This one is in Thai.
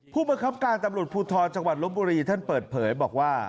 ผู้บังคับการตำรวจภูทรจังหวัดลบบุรีท่านเปิดเผยบอกว่า